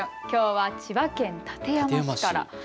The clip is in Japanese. きょうは千葉県館山市から。